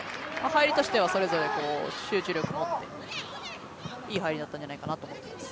入りとしてはそれぞれ集中力を持っていい入りだったんじゃないかなと思います。